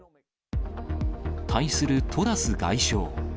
対するトラス外相。